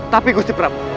tapi gusti prabu